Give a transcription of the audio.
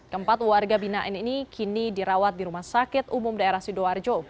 keempat warga binaan ini kini dirawat di rumah sakit umum daerah sidoarjo